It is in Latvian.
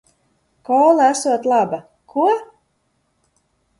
Kola esot laba. Ko???